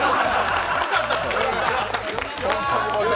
よかった。